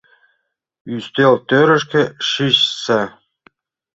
Ӱстелтӧрышкӧ шичса.